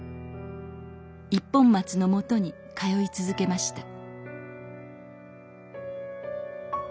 一本松のもとに通い続けました。